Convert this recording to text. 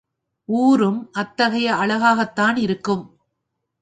ஊரும் அத்தகைய அழகாகத்தான் இருக்கும்.